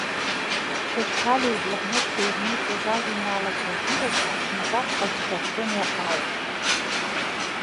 Чачхалиа иблокнотқәа ирниҵоз ажәеинраалақәа рӷьырак амшынҵатә ҟазшьа ахьрымоу ауп.